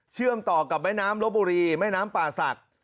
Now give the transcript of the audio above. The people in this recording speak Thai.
ต่อกับแม่น้ำลบบุรีแม่น้ำป่าศักดิ์